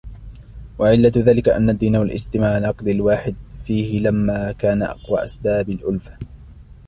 وَعِلَّةُ ذَلِكَ أَنَّ الدِّينَ وَالِاجْتِمَاعَ عَلَى الْعَقْدِ الْوَاحِدِ فِيهِ لَمَّا كَانَ أَقْوَى أَسْبَابِ الْأُلْفَةِ